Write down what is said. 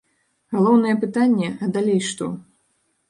Галоўнае пытанне, а далей што?